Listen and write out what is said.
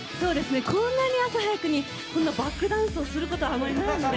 こんなに朝早くにバックダンスをすることはないので